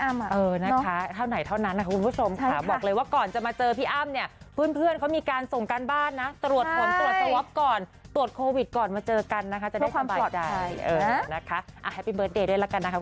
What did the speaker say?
ไม่ให้ไม่ให้ได้แล้ว